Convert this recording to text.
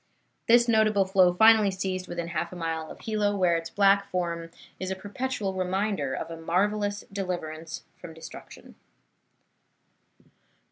This notable flow finally ceased within half a mile of Hilo, where its black form is a perpetual reminder of a marvellous deliverance from destruction.